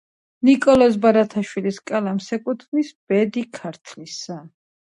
ურარტუელთა რელიგიას, ძირითადად, ბუნების ძალთა გაღმერთება წარმოადგენდა.